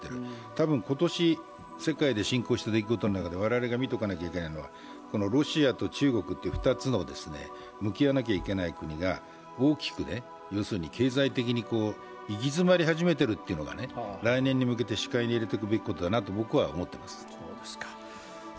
多分、今年世界で進行した出来事の中でロシアと中国という２つの向き合わなきゃいけない国が大きく経済的に行き詰まり始めているというかね、来年に向けて視界に入れておくべきだと思っています。